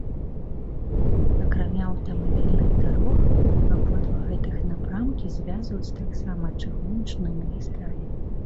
Акрамя аўтамабільных дарог абодва гэтых напрамкі звязваюць таксама чыгуначныя магістралі.